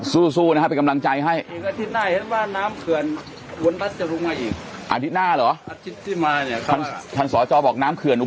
สู้สู้นะครับไปกำลังใจให้อีกอาทิตย์หน้าเห็นว่าน้ำเขื่อน